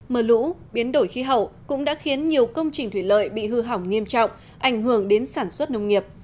mưa lũ biến đổi khí hậu cũng đã khiến nhiều công trình thủy lợi bị hư hỏng nghiêm trọng ảnh hưởng đến sản xuất nông nghiệp